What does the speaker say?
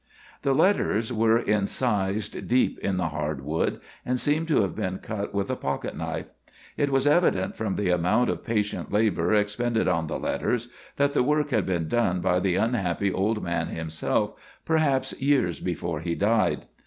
The letters were incised deep in the hard wood, and seemed to have been cut with a pocket knife. It was evident from the amount of patient labor expended on the letters that the work had been done by the unhappy old man himself, perhaps years before he died.